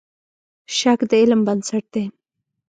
شک د علم بنسټ دی.